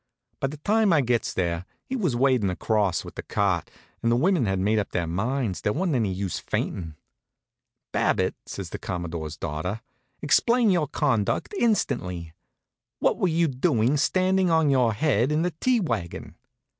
By the time I gets there he was wadin' across with the cart, and the women had made up their minds there wa'n't any use fainting. "Babbitt," says the Commodore's daughter, "explain your conduct instantly. What were you doing standing on your head in that tea wagon?"